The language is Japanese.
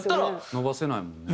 延ばせないもんね。